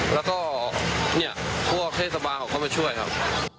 แล้วก็พวกเทศบาเขาเข้ามาช่วยครับ